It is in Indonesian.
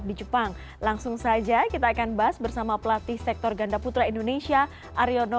di jepang langsung saja kita akan bahas bersama pelatih sektor ganda putra indonesia aryono